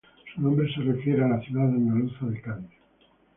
Su nombre se refiere a la ciudad andaluza de Cádiz.